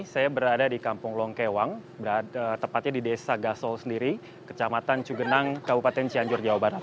saya berada di kampung longkewang tepatnya di desa gasol sendiri kecamatan cugenang kabupaten cianjur jawa barat